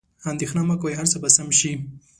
اندیښنه مه کوئ، هر څه به سم شي.